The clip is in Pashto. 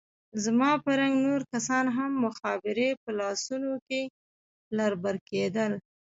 زما په رنګ نور کسان هم مخابرې په لاسو کښې لر بر کېدل.